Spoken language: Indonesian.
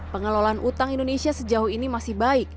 pengelolaan utang indonesia sejauh ini masih baik